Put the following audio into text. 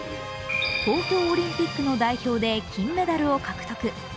東京オリンピックの代表で金メダルを獲得。